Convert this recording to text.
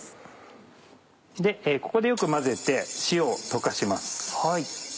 ここでよく混ぜて塩を溶かします。